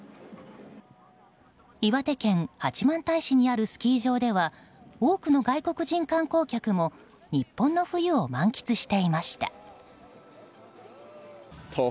岩手県八幡平市にあるスキー場では多くの外国人観光客も日本の冬を満喫していました。